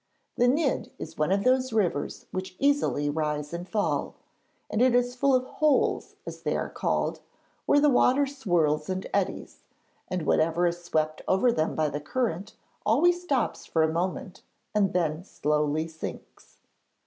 The Nidd is one of those rivers which easily rise and fall, and it is full of 'holes,' as they are called, where the water swirls and eddies, and whatever is swept over them by the current always stops for a moment and then slowly sinks.